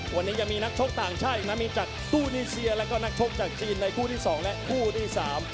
วันนี้ยังมีนักชกต่างชาติอีกนะมีจากซูนิเชียแล้วก็นักชกจากจีนในคู่ที่สองและคู่ที่สาม